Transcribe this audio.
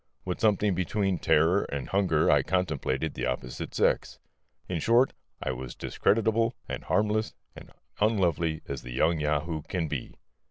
With something between terror and hunger I contemplated the opposite sex. In short, I was discreditable and harmless and unlovely as the young Yahoo can be.